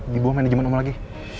di bawah manajemen umum lagi